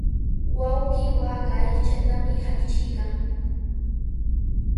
Wawqii waaka aychatami haqchiykan.